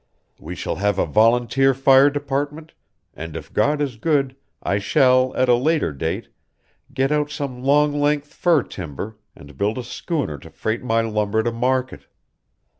We shall have a volunteer fire department, and if God is good, I shall, at a later date, get out some long length fir timber and build a schooner to freight my lumber to market.